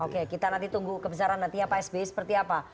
oke kita nanti tunggu kebesaran nantinya pak sby seperti apa